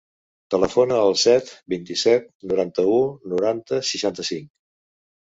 Telefona al set, vint-i-set, noranta-u, noranta, seixanta-cinc.